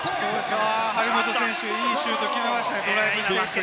張本選手がいいシュートを決めましたよ。